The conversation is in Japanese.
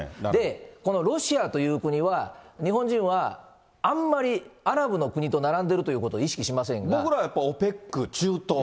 このロシアという国は、日本人はあんまりアラブの国と並んでいるということを意識しませ僕らはやっぱり、ＯＰＥＣ、中東って。